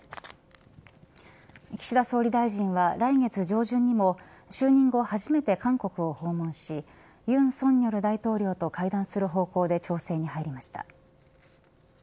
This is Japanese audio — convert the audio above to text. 岸田総理大臣は来月上旬にも就任後初めて韓国を訪問し尹錫悦大統領と会談する方向で調整に入りました。